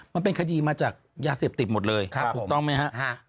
มันเป็นคดีมาจากยาเสพติดหมดเลยถูกต้องไหมฮะ